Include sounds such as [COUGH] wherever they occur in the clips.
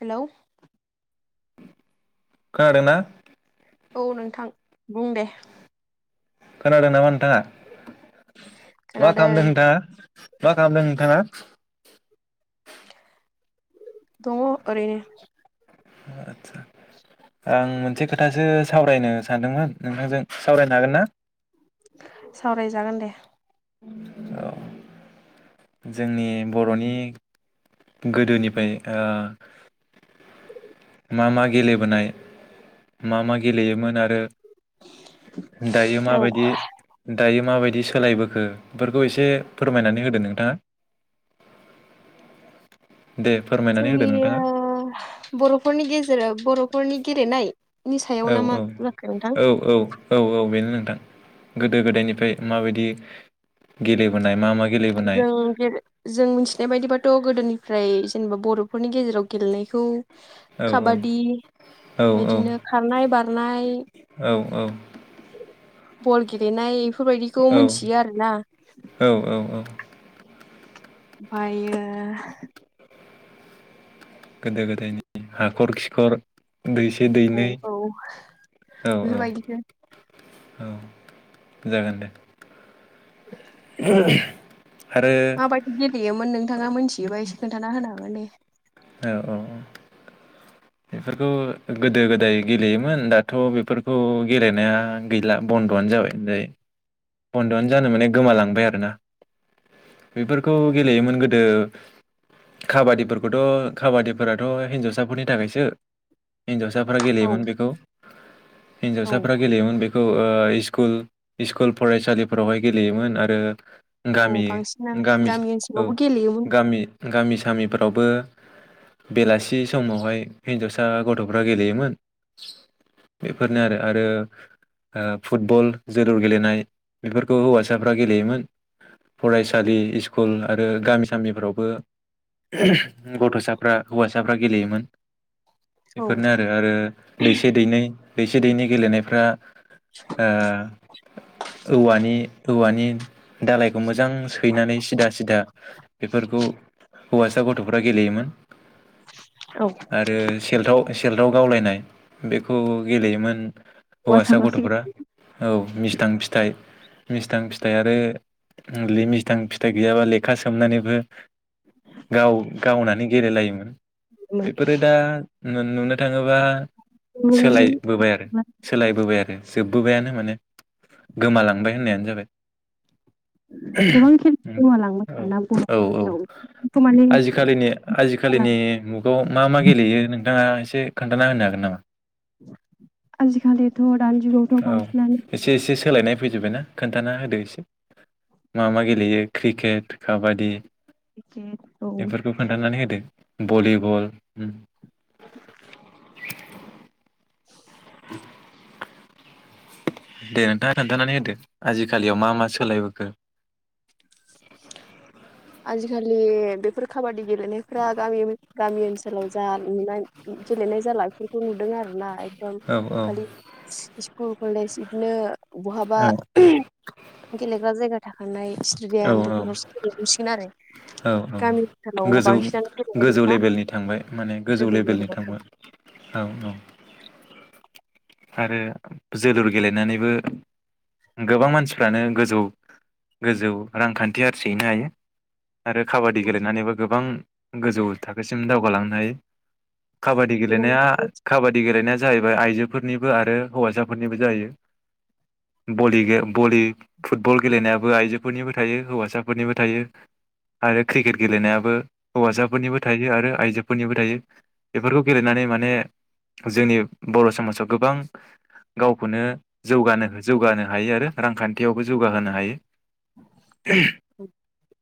हेल' खोनादोंना? औ नोंथां बुं दे खोनादों नामा नोंथाङा? मा खोनादों खालामदों नोंथाङा? मा खालामदों नोंथाङा? दङ ओरैनो। आदसा आं मोनसे खोथासो सावरायनो सानदोंमोन नोंथांजों। सावरायनो हागोन ना [INAUDIBLE] सावरायजागोन दे। औ, जोंनि बर'नि गोदोनिफ्राय ओ मा मा गेलेबोनाय मा मा गेलेयोमोन आरो दायो औ माबायदि दायो माबायदि बिदि सोलायबो खो बेफोरखौ एसे फोरमायनानै होदो नोंथाङा? [INAUDIBLE] फोरमायनानै होदो जोंनि नोंथाङा ओ बर'फोरनि गेजेराव बर'फोरनि गेलेनाय नि सायाव औ ना औ मा जाखो नोंथां औ औ औ औ बेनो नों थां गोदो गोदायनिफ्राय माबायदि गेलेबोनाय मा मा गेलेबोनाय जों गे- जों मिथिनाय बायदिबाथ' गोदोनिफ्राय जेनेबा बर'फोरनि गेजेराव गेलेनायखौ औ खाबादि औ औ इदिनो खारनाय, बारनाय औ बल गेलेनाय फोरबायदिखौ औ मिथियो आरोना औ औ फायो गोदो गोदायनि हाखर खि खर दैसे औ दैनै औ औ औ। बेफोरबायदिनो औ जागोन दे। [INAUDIBLE] माबायदि गेलेयोमोन नोंथाङा मिथि बिबा एसे खोन्थाना होनो हागोन ने औ औ औ बेफोरखौ गोदो गोदाय गेलेयोमोन दाथ' बेफोरखौ गेलेनाया गैला बन्द'आनो जाबाय होनजायो। बन्दआनो जानो माने गोमालांबाय आरोना [INAUDIBLE] बेफोरखौ गेलेयोमोन गोदो खाबादिफोरखौथ' खाबादिफोराथ' हिनजावसाफोरनि थाखायसो। हिनजावसाफ्रा औ गेलेयोमोन बेखौ औ हिन्जावसाफोरा गेलेयोमोन बे औ ओ इस्कुल इस्कुल फरायसालिफोरावहाय गेलेयोमोन आरो औ गामि बांसिनानो गामि औ ओनसोलावबो गेलेयोमोन गामि गामि गामिफ्रावबो बेलासि समावहाय हिन्जावसा गथ'फ्रा गेलेयोमोन [INAUDIBLE] बेफोरनो आरो आरो ओ फुटबल जोलुर गेलेनाय बेफोरखौ हौवासाफ्रा गेलेयोमोन फरायसालि इस्कुल आरो गामि सामिफ्रावबो गथ'साफ्रा हौवासाफ्रा गेलेयोमोन। औ बेफोरनो आरो आरो दैसे दैनै दैसे दैनि गेलेनायफ्रा आ औवानि औवानि दालायखौ मो मोजां सैनानै सिदा सिदा बेफोरखौ हौवासा गथ'फ्रा गेलेयोमोन औ आरो सेलथाव से केल्टआव गावलायनाय बेखौ गेलेयोमोन। हौवासा हौवासाफ्रासो गथ'फ्रा औ मिस्थां फिथ मिस्थां फिथाइ आरो मिस्थां फिथाइ गैयाबा लेखा सोमनानैबो गाव गावनानै गेलेलायोमोन। म बेफोरो दा नु-नुनो थाङोबा गेलेयोमोन सोलायबोबाय आरो सोलायबोबाय आरो जोब बोबायानो माने गोमालांबाय होननायानो जाबाय। गोबां खेल गोमालांबाय औ आरोना बर' औ औ गेजेराव माने आजिखालिनि जाला आजिखालिनि मुगायाव मा मा गेलेयो नों? नोंथांया एसे खोन्थाना होनो हागोन नामा? आजिखालिथ दानि जुगाव औ बांसिनानो एसे एसे सोलायनाय फैजोब्बायना खोन्थाना होदो एसे मा मा गेलेयो क्रिकेट काबादि? क्रिकेट औ बेफोरखौ खोन्थानानै होदो भलिबल [INAUDIBLE] दे नोंथाङा खोन्थानानै होदो आजिखालियाव मा मा सोलायबोखो आजिखालि बेफोर खाबादि गेलेनायफ्रा गामि गामि ओनसोलाव जा नुनाय गेलेनाय जाला बेफोरखौ नुदों आरोना औ औ खालि स्कुल कलेज बिदिनो बहाबा औ [UNINTELLIGIBLE] गेलेग्रा जायगा थाखांनाय औ स्टेडियाम बेफोरसो [UNINTELLIGIBLE] औ औ गोजौ बांसिनानो गेलेनाय गोजौ नुला लेभेलनि थांबाय माने गोजौ लेभेलनि थांबाय औ औ आरो जोलुर गेलेनानैबो गोबां मानसिफ्रानो गोजौ गोजौ रांखान्थि आर्जिनाय हैनो हायो आरो काबादि थांला गेलेनानैबो गोबां गोजौ थाखोसिम दावगालां नै काबादि गेलेनाया गोबां काबादि गेलेनाया जाहैबाय आइजो फोरनिबो आरो हौवासाफोरनिबो जायो बलि गेले बलि फुटबल गेलेनायाबो आइजोफोरनिबो थायो हौवासाफोरनिबो थायो आरो क्रिकेट गेलेनायाबो हौवासाफोरनिबो थायो आरो आइजोफोरनिबो थायो बेफोरखौ गेलेनानै माने जोंनि बर' समाजाव गोबां गावखौनो जौगानो जौगानो हायो आरो रांखान्थियावबो जौगाहोनो हायो।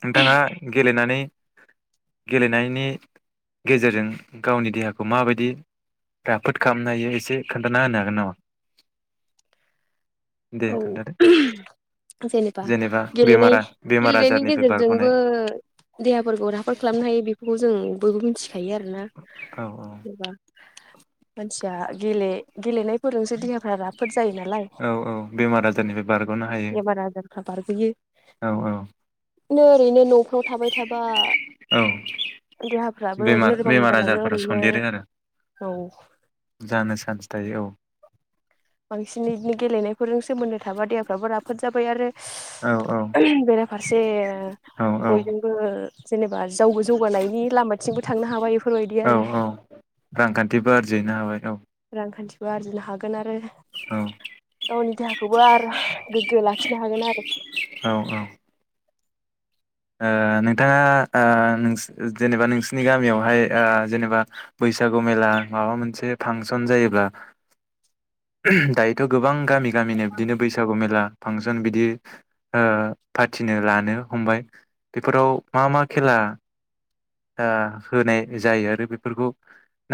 नोंथाङा गेलेनानै गेलेनायनि गेजेरजों गावनि देहाखौ माबायदि राफोद खालामनो हायो एसे खोनथाना होनो हागोन नामा? दे औ खोन्थादो जेनेबा गेलेनाय बेमारा बेमार गेलेनायनि आजारनिफ्राय गेजेरजोंबो बारग'नाय देहाफोरखौ राफोद खालामनो हायो बेखौ खौ जों बयबो मिथिखायो आरोना औ जेनेबा मानसिया गे गेलेनायफोरजोंसो देहाफ्रा राफोद जायो नालाय। औ औ बेमार आजारनिफ्राय बारग'नो हायो। बारबोयो। औ औ नै ओरैनो न'फ्राव थाबाय थाबा औ देहाफ्राबो बेमार लोरबां बेमार जालाङो आजारफोरा ओरैनो सन्देरो आरो औ। जानो चान्स थायो बांसिन गेलेनायफोरजों सोमोन्दो थाबा देहाफ्राबो राफोद जाबाय आरो औ औ ओहम बेराफारसे औ बयजोंबो जेन'बा जावबो जौगानायनि लामाथिंबो थांनो हाबाय बेफोरबायदि आरो जैनो हाबाय औ। रांखान्थिबो आरजिनो हागोन आरो औ गावनि देहाखौबो आरो गोग्गो लाखिनो हागोन आरो। औ ओ नोंथाङा ओ नोंसि जेनेबा नोंसिनि गामियावहाय जेनेबा बैसागु मेला माबा मोनसे फांसन जायोब्ला दायोथ' गोबां गामि गामिनो बिदिनो बैसागु मेला फांसन बिदि दि ओ फाथिनो लानो हमबाय। बेफोराव मा मा। खेला। ओ होनाय जायो आरो बेफोरखौ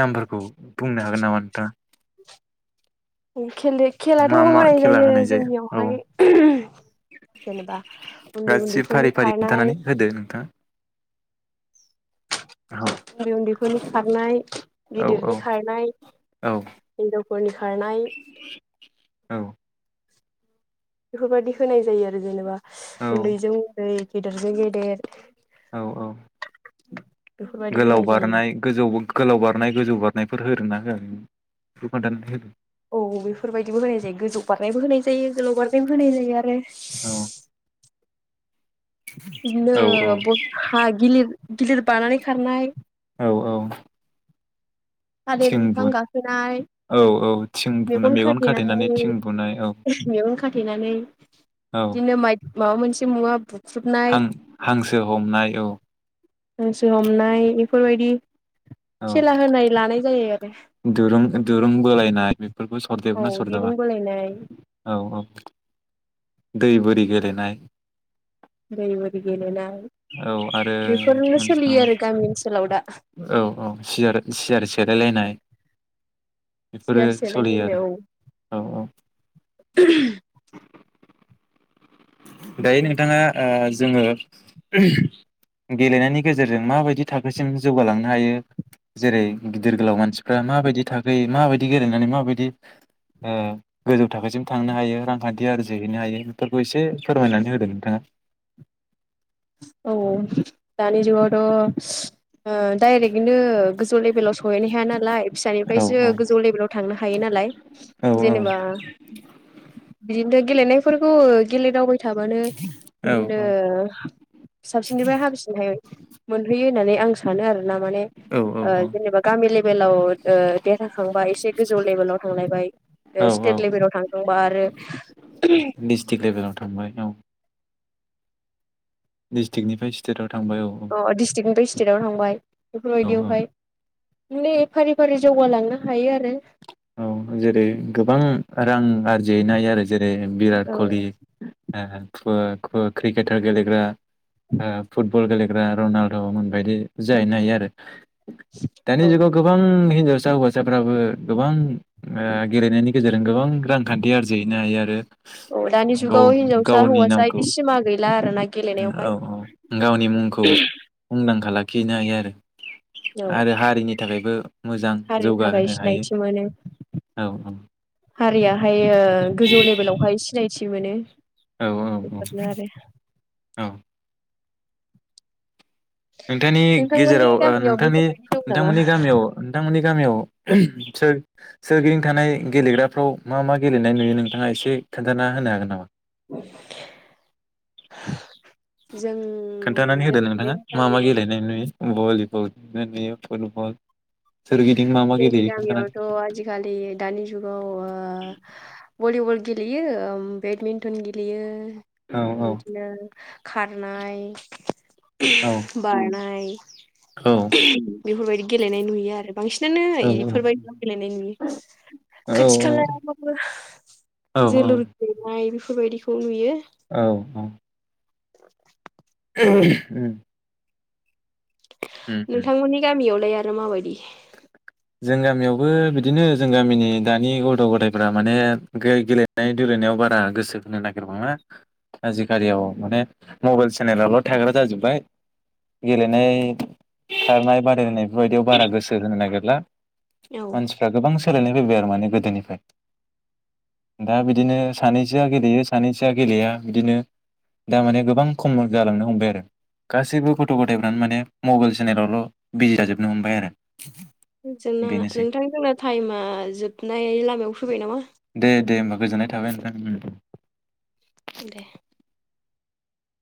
नामफोरखौ बुंनो हागोन नामा नोंथाङा? खेलि खेलाथ' मा मा होनाय खेला जायो होनाय औ जोंनियावहाय। जेनेबा उन्दै उन्दैफोरनि खारनाय। थां। उन्दै उन्दैफोरनि खारनाय। औ औ गिदिरनि खारनाय औ फोरनि खारनाय। औ। बेफोर बायदि होनाय जायो आरो जेनेबा औ उन्दैजों उन्दै गेदिरजों गेदेर औ औ बेफोरबायदि गोलाव होनाय जायो बारनाय गोजौ-गोलाव बारनाय गोजौ बार नायफोर होरना होआ बेखौ खोनथानना होदो। औ बेफोरबायदिबो होनाय जायो गोजौ बारनायबो होनाय जायो गोलाव बारनायबो होनाय जायो आरो। औ इदनो औ ब हा गिलिर गिलिर बानानै खारनाय औ औ थालिर थिं बिफां बुन गाखोनाय औ औ थिं बुन मेगन खाथेनानै थिं बुनाय औ। थेनानै बिनो मायद माबा मोनसे मुवा बुख्रुबनाय हां-हांसो हमनाय औ हांसो हमनाय बेफोरबायदि औ खेला होनाय नाय जायो आरो दुरुं दुरुंंबोलायनाय बे फोरखौ औ सरदेरोना सरजाबा दिरुं बोलायनाय औ औ दै बोरि गेलेनाय दै बोरि गेलेनाय औ आरो बेफोरनो मोनसे दङ सोलियो आरो गामि ओनसोलाव दा औ औ सियार सियार सेलायलायनाय बेफोरो सियार सोलियो सेलायलायनाय आरो औ औ औ दायो नोंथाङा ओ जोङो गेलेनायनि गेजेरजों माबायदि थाखोसिम जौगालांनो हायो। जेरै गिदिर गोलाव मानसिफ्रा माबायदि थाखोयै माबायदि गेलेनानै माबायदि ओ गोजौ थाखोसिम थांनो हायो रांखान्थि आरजिहैनो हायो बेफोर बो एसे फोरमायनानै होदों नोंथाङा। औ औ दानि जुगावथ ओ डाइरेक्टनो गोजौ लेभेलाव सहैनो हाया नालाय फिसानिफ्रायसो गोजौ लेभेलाव थांनो हायो नालाय औ जेनेबा बिदिनो गेलेनायफोरखौ गेलदावबाय थाबानो औ बिदिनो साबसिननिफाय हाबिसिनहाय मोनहैयो। होननानै आं सानो आरो नामाने औ ओ जेनेबा गामि लेभेलाव ओ देरहाखांबा एसे गोजौ लेभेलाव थांलायबाय ओ औ स्टेट औ लेभेलाव थांखांबा आरो डिस्ट्रिक लेभेलाव थांबाय डिस्ट्रिकनिफाय स्टेटआव थांबाय औ अ डिस्ट्रिकनिफाय स्टेट आव थांबाय औ बेफोरबायदियावहाय ने फारि फारि जौगालांनो हायो आरो औ जेरै गोबां रां आरजिनो हायो आरो जेर बिराट औ कलिक क-क-क्रिकेटार गेलेग्रा ओ फुटबल गेलेग्रा रनाल्डमोन बायदि जाहैनो हायो आरो। दानि औ जुगाव गोबां हिजाव सा हौवासाफ्राबो गोबां ओ गेलेनायनि गेजेरजों गोबां रांखान्थि आरजिहैनो हायो आरो औ दानि गाव जुगाव हिनजावसा गावनि हौवासा नामखौ बिदि सिमा गैला आरोना गेलेनायावहाय औ औ गावनि मुंखौ मुंदांखा लाख खिनो हायो आरो औ आरो हारिनि थाखायबो मोजां हारिनि थाखाय जौगाहोनो हायो। सिनायथि औ। हारिया हाय एयो गोजौ लेभेलावहाय सिनाय मिथि मोनो। औ औ बेफोरनो आरो औ औ। नोंथांनि नोंथांमोननि गेजेराव ओ गामियाव नोंथांनि बेफोरबायदि दं नामा नोंथांमोननि गामियाव नोंथांमोननि गामियाव सोर सोरगिदिं थानाय गेलेग्राफ्राव मा मा गेलेनाय नुयो नोंथाङा एसे खोथाना होनो हागोन नामा? [INAUDIBLE] जों जों थनायनि गामि भलि बल बिदिनो नुयो फुटबल सोरगिदिं मा मा जोंनि गेलेयो खोन्थानानै गामियावथ' आजिखालि दानि जुगाव ओ भलि बल गेलेयो ओम बेडमिन्टन गेलेयो। औ बिदिनो खारनाय औ बारनाय [INAUDIBLE] औ बेफोर बायदि गेलेनाय नुयो आरो। बांसिनानो औ एफोर बायदि गेले नुयो औ खाथि खालायावबो औ जोलुर गेलेनाय बेफ बेफोर बायदिखौ नुयो। औ। [INAUDIBLE] ओम। नोंथांमोननि गामियाव ओमफ्राय आरो माबायदि जों गामियावबो बिदिनो जों गामिनि दानि गथ गथायफ्रा माने गेलेनाय दलायनायाव बारा गोसो होनो नागिरबा आजिखालियाव माने मबाइल सेनेलावल थाग्रा जाजोब्बाय गेलेनाय खारनाय बादायलायनाय बेफोर बायदियाव बारा गोसो होहोनो नागोरला औ मानसिफ्रा गोबां सोलायनाय फैबाय आरो माने गोदोनिफ्राय दा बिदिनो सानैसोया गेलेयो सानैसोया गेलेया बिदिनो दा माने गोबां खम जालांनो हमबाय आरो गासैबो गथ गथायफ्रानो माने मबाइल सेनेलावल बिजि जाजोबनो हमबाय आरो जोंना बेनोसै नोंथां जोंना टाइमा जोबनाय लामायाव फैबाय नामा गोजोन्नाय थाबाय नोंथां उम दे